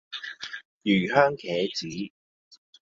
魚香茄子